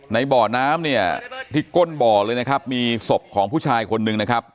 ในบ่อน้ำเนี่ยที่ก้นบ่อเลยนะครับมีศพของผู้ชายคนหนึ่งนะครับ